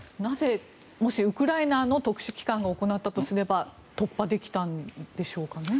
もしウクライナの特殊機関が行ったとすれば突破できたんでしょうかね。